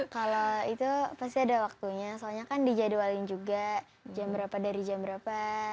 kalau itu pasti ada waktunya soalnya kan dijadwalin juga jam berapa dari jam berapa